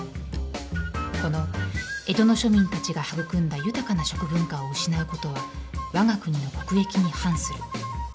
この江戸の庶民たちが育んだ豊かな食文化を失うことは我が国の国益に反する。